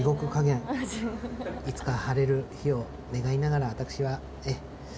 いつか晴れる日を願いながら私はえぇ。